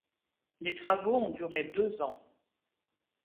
Les travaux ont duré deux ans.